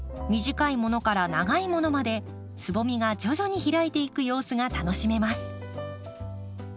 短いものから長いものまでつぼみが徐々に開いていく様子が楽しめます。